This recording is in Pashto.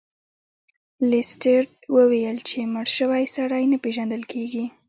لیسټرډ وویل چې مړ شوی سړی نه پیژندل کیږي.